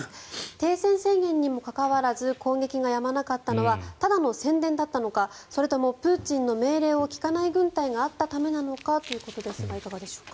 停戦宣言にもかかわらず攻撃がやまなかったのはただの宣伝だったのかそれともプーチンの命令を聞かない軍隊があったためなのかということですがいかがでしょうか？